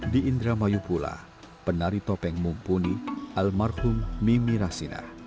di indramayu pula penari topeng mumpuni almarhum mimi rasinah